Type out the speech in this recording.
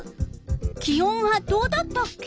気温はどうだったっけ？